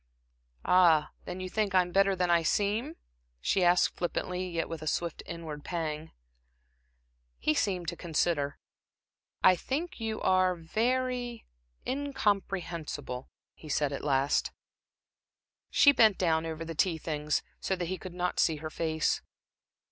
"Ah, then you think I'm better than I seem?" she asked, flippantly, yet with a swift inward pang. He seemed to consider. "I think you are very incomprehensible," he said at last. She bent down over the tea things, so that he could not see her face.